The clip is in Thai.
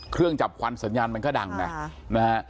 เครื่องจับควันสัญญาณมันก็ดังไงนะฮะ